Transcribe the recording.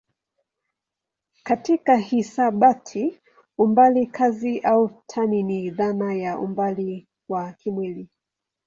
Katika hisabati umbali kazi au tani ni dhana ya umbali wa kimwili.